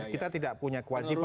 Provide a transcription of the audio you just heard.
kita tidak punya kewajiban